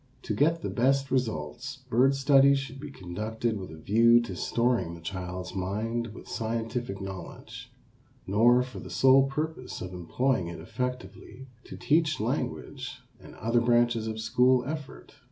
To get the best results, bird study should not be conducted with a view to storing the child's mind with scientific knowledge, nor for the sole purpose of employing it effectively to teach language and other branches of school effort.